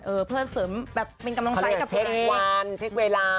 เออเพื่อเสริมแบบเป็นกำลังใสกับตัวเองเขาเรียกว่าเช็ควันเช็คเวลา